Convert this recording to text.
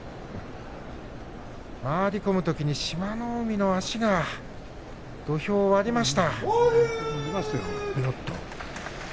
回り込むときに志摩ノ海の足が土俵を割りました。